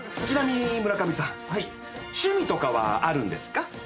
ちなみに村上さん趣味とかはあるんですか？